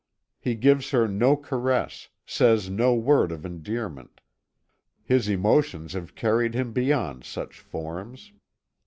He gives her no caress, says no word of endearment. His emotions have carried him beyond such forms.